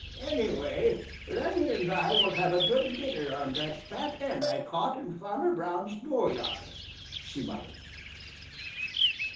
"Any way, Reddy and I will have a good dinner on that fat hen I caught in Farmer Brown's dooryard," she muttered.